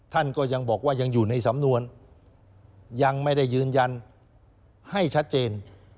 ท่านก็ยังบอกว่ายังอยู่ในสำนวนยังไม่ได้ยืนยันให้ชัดเจน